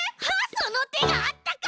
そのてがあったか。